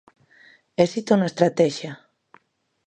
Éxito na estratexia.